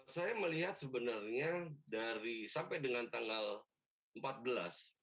saya melihat sebenarnya dari sampai dengan tanggal empat belas